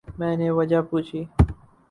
میں نے وجہ پوچھی۔